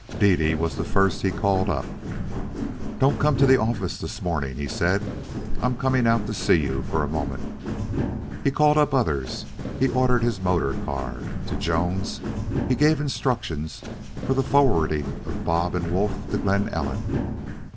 Dede was the first he called up. "Don't come to the office this morning," he said. "I'm coming out to see you for a moment." He called up others. He ordered his motor car. To Jones he gave instructions for the forwarding of Bob and Wolf to Glen Ellen.